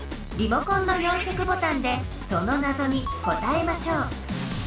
リモコンの４色ボタンでそのなぞに答えましょう。